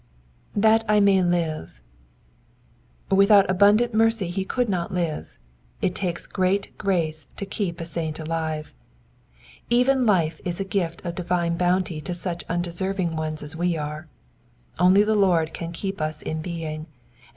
^^That I may livsy Without abundant mercy he covld not live. It takes great grace to keep a saint alive. Even life is a gift of divine bounty to> such undeserving ones as we are. Only the Lord can keep us in being, and.